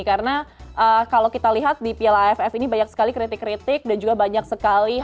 karena kalau kita lihat di piala aff ini banyak sekali kritik kritik dan juga banyak sekali hampir